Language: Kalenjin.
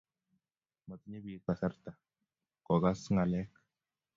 matinye pik kasrata ko kas ngalek.